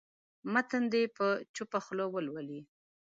متن دې په چوپه خوله ولولي.